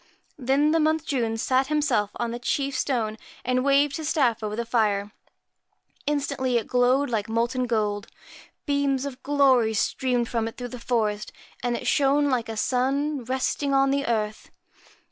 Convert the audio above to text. Then the Month June sat himself on the chief stone, and waved his staff over the fire. Instantly it glowed like molten gold, beams of glory streamed from it through the forest, and it shone like a sun resting on the earth.